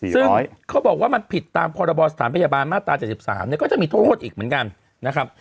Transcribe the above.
ซึ่งเขาบอกว่ามันผิดตามพรบสถานพยาบาลมาตรา๗๓เนี่ยก็จะมีโทษอีกเหมือนกันนะครับ